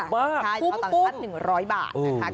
เพราะต่างจาก๑๐๐บาท